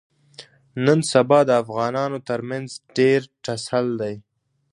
نن سبا د افغانانو ترمنځ ډېر ټسل دی.